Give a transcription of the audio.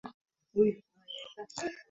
Familia yao ni wakristo